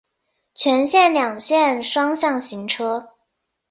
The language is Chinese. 全线两线双向行车。